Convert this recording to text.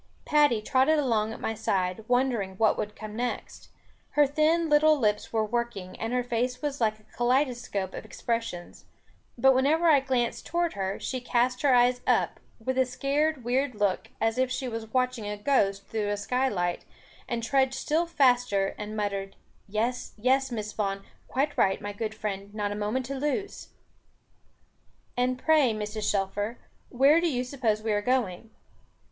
Patty trotted along at my side, wondering what would come next. Her thin little lips were working, and her face was like a kaleidoscope of expressions; but whenever I glanced toward her, she cast her eyes up, with a scared weird look, as if she was watching a ghost through a skylight, and trudged still faster, and muttered, "Yes, yes, Miss Vaughan. Quite right, my good friend; not a moment to lose." "And pray, Mrs. Shelfer, where do you suppose we are going?"